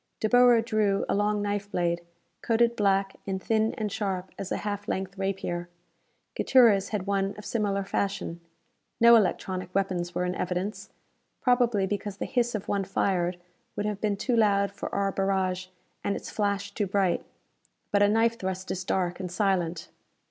De Boer drew a long knife blade, coated black, and thin and sharp as a half length rapier. Gutierrez had one of similar fashion. No electronic weapons were in evidence, probably because the hiss of one fired would have been too loud for our barrage, and its flash too bright. But a knife thrust is dark and silent!